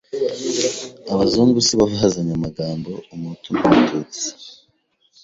Abazungu sibo bazanye amagambo umuhutu n’umututsi,